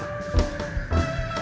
bukan pasir biasa